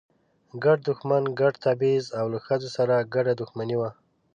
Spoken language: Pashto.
ګډ دښمن، ګډ تبعیض او له ښځو سره ګډه دښمني وه.